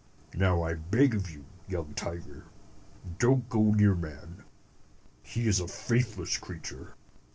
"Now, I beg of you, young tiger, don't go near man. He is a faithless creature.